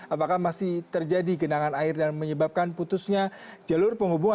apakah masih terjadi genangan air dan menyebabkan putusnya jalur penghubungan